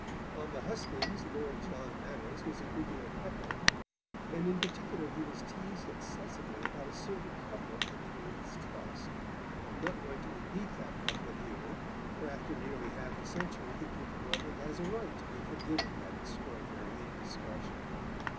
On the hustings, Lord John Manners was a good deal heckled, and in particular he was teased excessively about a certain couplet in England's Trust. I am not going to repeat that couplet here, for after nearly half a century the Duke of Rutland has a right to be forgiven that extraordinary indiscretion.